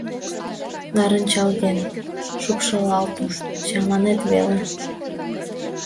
— Нарынчалген, шупшылалтын, чаманет веле...